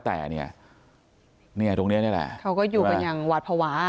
แต่เนี่ยตรงนี้นี่แหละเขาก็อยู่กันอย่างหวาดภาวะ